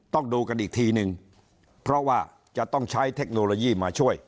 ต้องดูกันอีกทีนึงเพราะว่าจะต้องใช้เทคโนโลยีมาช่วย